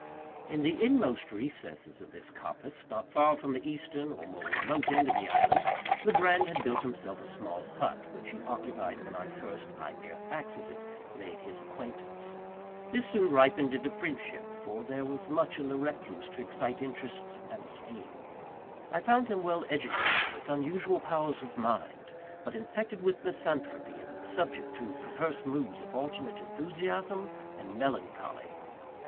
In the inmost recesses of this coppice, not far from the eastern or more remote end of the island, Legrand had built himself a small hut, which he occupied when I first, by mere accident, made his acquaintance. This soon ripened into friendship—for there was much in the recluse to excite interest and esteem. I found him well educated, with unusual powers of mind, but infected with misanthropy, and subject to perverse moods of alternate enthusiasm and melancholy.